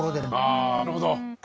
あなるほど。